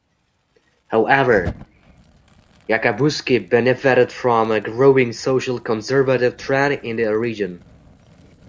However, Yakabuski benefited from a growing social conservative trend in the region.